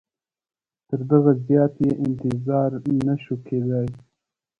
تر دغه زیات یې انتظار نه سو کېدلای.